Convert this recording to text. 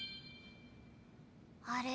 「あれ？